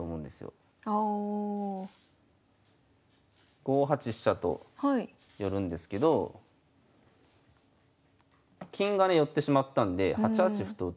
５八飛車と寄るんですけど金がね寄ってしまったんで８八歩と打たれたときに。